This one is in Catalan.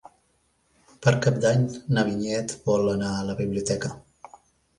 Per Cap d'Any na Vinyet vol anar a la biblioteca.